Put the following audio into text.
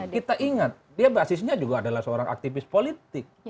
kita ingat dia basisnya juga adalah seorang aktivis politik